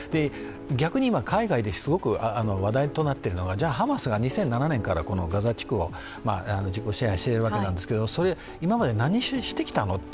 逆に今、海外ですごく話題となっているのは、じゃハマスが２００７年からこのガザ地区を実効支配しているわけですけど今まで何してきたのって。